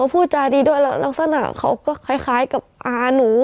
พูดจาดีด้วยแล้วลักษณะเขาก็คล้ายกับอาหนู